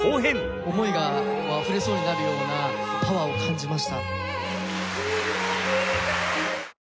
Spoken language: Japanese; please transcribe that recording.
思いがあふれそうになるようなパワーを感じました。